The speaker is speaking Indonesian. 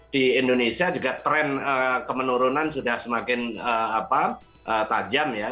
di indonesia juga tren kemenurunan sudah semakin tajam ya